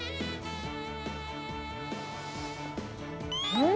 うん。